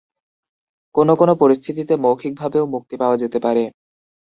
কোনো কোনো পরিস্থিতিতে মৌখিকভাবেও মুক্তি দেওয়া যেতে পারে।